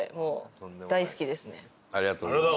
ありがとうございます。